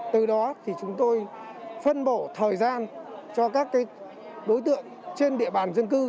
từ đó thì chúng tôi phân bổ thời gian cho các đối tượng trên địa bàn dân cư